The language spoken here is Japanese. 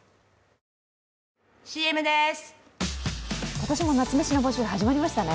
今年も夏めしの募集が始まりましたね。